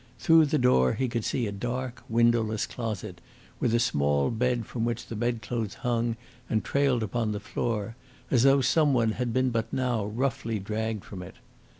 Through the door he could see a dark, windowless closet, with a small bed from which the bedclothes hung and trailed upon the floor, as though some one had been but now roughly dragged from it.